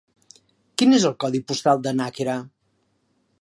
Quin és el codi postal de Nàquera?